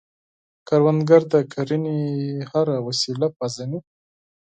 کروندګر د کرنې هره وسیله پېژني